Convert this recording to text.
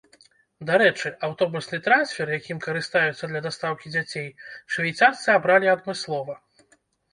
Дарэчы, аўтобусны трансфер, якім карыстаюцца для дастаўкі дзяцей, швейцарцы абралі адмыслова.